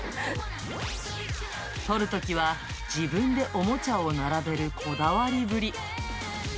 撮るときは自分でおもちゃを並べるこだわりぶり。